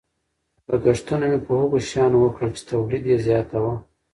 لګښتونه مې په هغو شیانو وکړل چې تولید یې زیاتاوه.